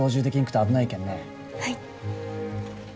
はい。